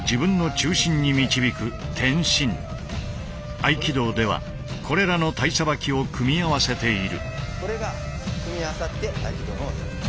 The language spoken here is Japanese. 合気道ではこれらの体捌きを組み合わせている。